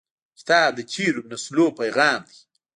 کتاب د تیرو نسلونو پیغام دی.